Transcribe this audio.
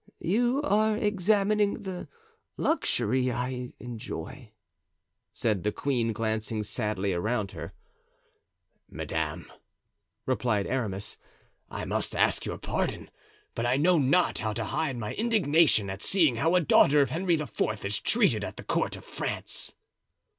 "You are examining the luxury I enjoy," said the queen, glancing sadly around her. "Madame," replied Aramis, "I must ask your pardon, but I know not how to hide my indignation at seeing how a daughter of Henry IV. is treated at the court of France."